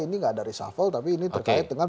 ini nggak ada reshuffle tapi ini terkait dengan